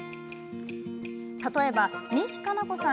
例えば、西加奈子さん